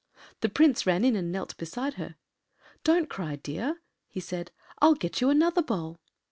The Prince ran in and knelt beside her. “Don’t cry, dear,” he said, “I’ll get you another bowl.